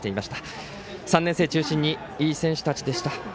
３年生たち中心にいい選手でした。